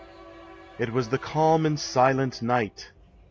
It was the calm and silent night